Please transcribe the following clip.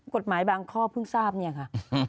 กฎหมายบางข้อเพิ่งทราบเนี่ยค่ะ